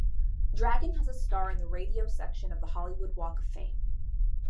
Dragon has a star in the Radio section of the Hollywood Walk of Fame.